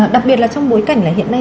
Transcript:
đặc biệt là trong bối cảnh hiện nay